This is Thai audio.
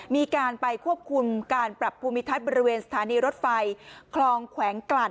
มีการไปควบคุมการปรับภูมิทัศน์บริเวณสถานีรถไฟคลองแขวงกลั่น